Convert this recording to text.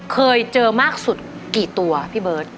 เคยเจอมากสุดกี่ตัวพี่เบิร์ต